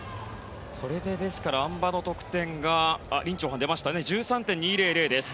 これであん馬のリン・チョウハンの得点が１３．２００です。